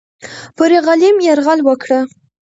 پر غلیم یرغل وکړه.